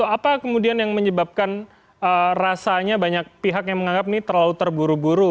apa kemudian yang menyebabkan rasanya banyak pihak yang menganggap ini terlalu terburu buru